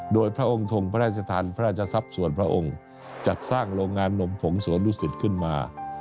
โดยพระองค์ทงพระราชทานพระราชทรัพย์ส่วนพระองค์จัดสร้างโรงงานนมผงสวนดุสิตขึ้นมา